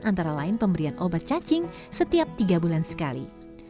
antara lain pemberian obat cacing setiap tiga bulan sekali